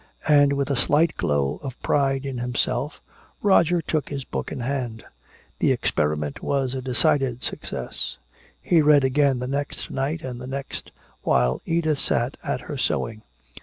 And with a slight glow of pride in himself Roger took his book in hand. The experiment was a decided success. He read again the next night and the next, while Edith sat at her sewing.